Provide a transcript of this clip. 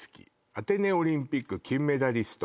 「アテネオリンピック金メダリスト」